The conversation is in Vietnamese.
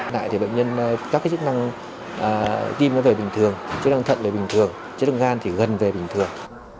lại thì bệnh nhân các cái chức năng tim nó về bình thường chức năng thận về bình thường chức năng gan thì gần về bình thường